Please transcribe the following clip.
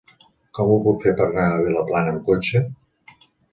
Com ho puc fer per anar a Vilaplana amb cotxe?